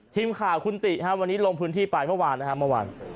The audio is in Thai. ทีมข่าวคุณติครับวันนี้ลงพื้นที่ไปเมื่อวานนะครับเมื่อวาน